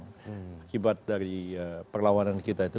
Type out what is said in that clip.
akibat dari perlawanan kita itu